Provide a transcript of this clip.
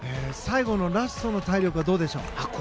最後のラストの体力はどうでしょう？